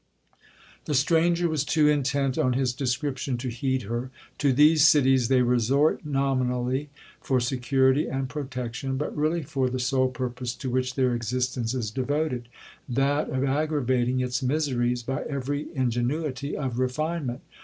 'The stranger was too intent on his description to heed her. 'To these cities they resort nominally for security and protection, but really for the sole purpose to which their existence is devoted,—that of aggravating its miseries by every ingenuity of refinement.